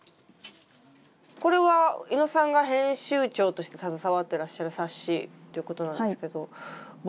これは伊野さんが編集長として携わってらっしゃる冊子ということなんですけど。